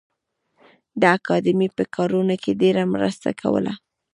د اکاډمۍ په کارونو کې ډېره مرسته کوله